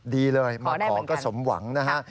ดีเลยมาขอก็สมหวังนะฮะ